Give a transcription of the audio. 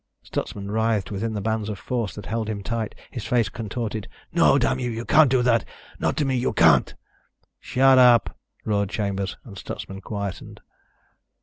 Stutsman writhed within the bands of force that held him tight. His face contorted. "No, damn you! You can't do that! Not to me, you can't!" "Shut up," roared Chambers and Stutsman quieted.